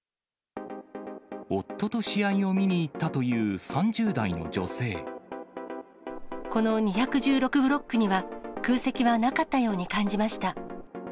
夫と試合を見に行ったというこの２１６ブロックには、空席はなかったように感じました。